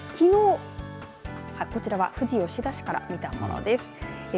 こちらは富士吉田市から見たものです。